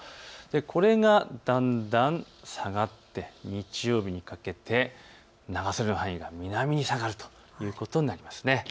これがだんだん下がって日曜日にかけて長袖の範囲が南に下がるということになります。